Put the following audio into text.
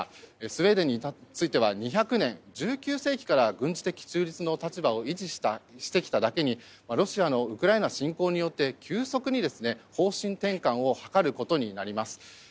スウェーデンについては２００年、１９世紀から軍事的中立の立場を維持してきただけにロシアのウクライナ侵攻によって急速に方針転換を図ることになります。